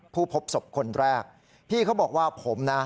พบศพคนแรกพี่เขาบอกว่าผมนะ